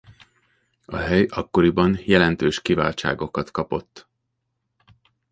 A hely akkoriban jelentős kiváltságokat kapott.